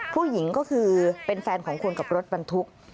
ผู้หญิงก็คือเป็นแฟนของคนกับรถบรรทุก